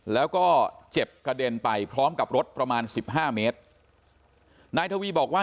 แล้วก็เจ็บกระเด็นไปพร้อมกับรถประมาณสิบห้าเมตรนายทวีบอกว่า